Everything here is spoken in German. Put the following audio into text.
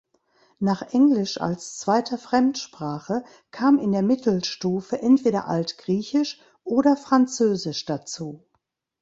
Nach Englisch als zweiter Fremdsprache kam in der Mittelstufe entweder Altgriechisch oder Französisch dazu.